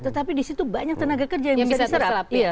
tetapi disitu banyak tenaga kerja yang bisa diserap